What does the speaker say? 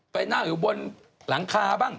ไปนั่งอยู่บนหลังคาบ้าง